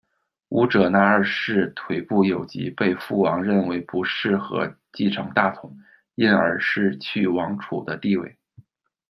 乌者那二世腿部有疾，被父王认为不适合继承大统，因而失去王储的地位。